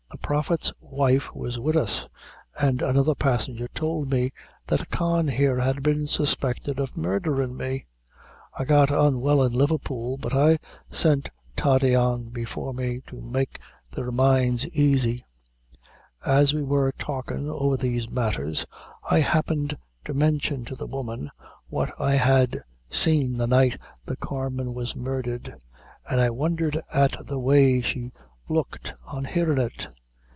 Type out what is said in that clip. The Prophet's wife was wid us, an' another passenger tould me that Con here had been suspected of murdherin' me. I got unwell in Liverpool, but I sent Toddy on before me to make their minds aisy. As we wor talkin' over these matthers, I happened to mention to the woman what I had seen the night the carman was murdhered, and I wondhered at the way she looked on hearin' it.